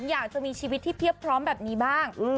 อยากจะมีชีวิตที่เพียบพร้อมแบบนี้บ้าง